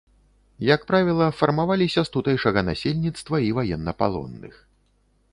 Як правіла, фармаваліся з тутэйшага насельніцтва і ваеннапалонных.